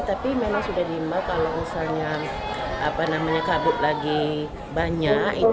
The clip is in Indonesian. tapi memang sudah diimbau kalau misalnya kabut lagi banyak